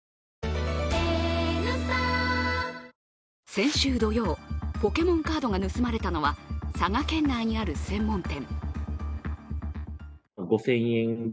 先週土曜、ポケモンカードが盗まれたのは佐賀県内にある専門店。